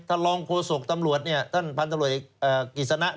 รองโฆษกตำรวจท่านพันธุ์ตำรวจเอกกิจสนะ